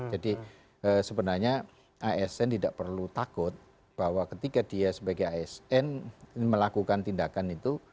jadi sebenarnya asn tidak perlu takut bahwa ketika dia sebagai asn melakukan tindakan itu